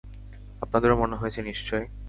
আপনাদেরও মনে হয়েছে নিশ্চয়ই।